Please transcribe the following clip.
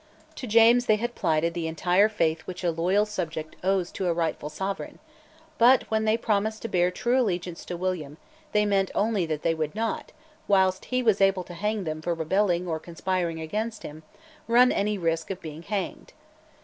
To James they had plighted the entire faith which a loyal subject owes to a rightful sovereign; but, when they promised to bear true allegiance to William, they meant only that they would not, whilst he was able to hang them for rebelling or conspiring against him, run any risk of being hanged.